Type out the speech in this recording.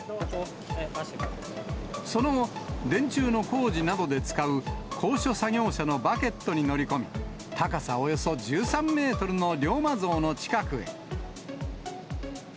その後、電柱の工事などで使う高所作業車のバケットに乗り込み、高さおよそ１３メートルの龍馬像の近くへ。